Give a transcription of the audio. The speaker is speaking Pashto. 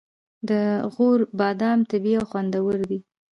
د غور بادام طبیعي او خوندور دي.